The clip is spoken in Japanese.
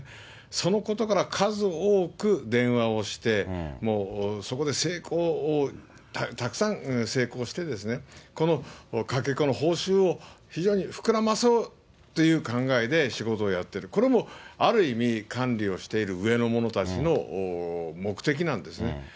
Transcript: そのことから、数多く電話をして、もう、そこで成功、たくさん成功してですね、このかけ子の報酬を非常に膨らまそうという考えで仕事をやってる、これもある意味、管理をしている上の者たちの目的なんですね。